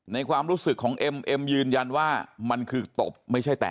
ความรู้สึกของเอ็มเอ็มยืนยันว่ามันคือตบไม่ใช่แตะ